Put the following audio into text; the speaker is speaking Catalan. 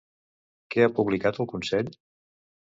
Què ha publicat el Consell?